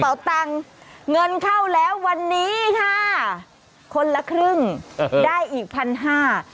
ตังค์เงินเข้าแล้ววันนี้ค่ะคนละครึ่งเออได้อีกพันห้า